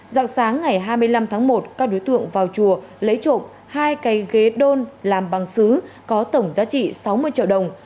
dạng sáng ngày hai mươi năm tháng một các đối tượng vào chùa lấy trộm hai cây đôn làm bằng xứ có tổng giá trị sáu mươi triệu đồng